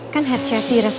dati ya mas